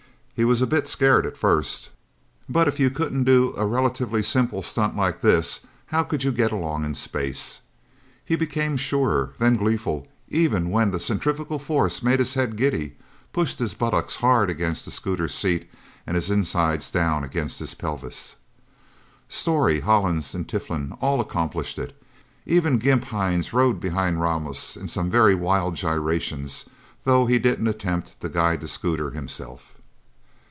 He was a bit scared at first, but if you couldn't do a relatively simple stunt like this, how could you get along in space? He became surer, then gleeful, even when the centrifugal force made his head giddy, pushed his buttocks hard against the scooter's seat, and his insides down against his pelvis. Storey, Hollins and Tiflin all accomplished it. Even Gimp Hines rode behind Ramos in some very wild gyrations, though he didn't attempt to guide the scooter, himself.